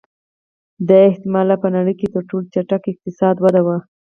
دا احتما لا په نړۍ کې تر ټولو چټکه اقتصادي وده وه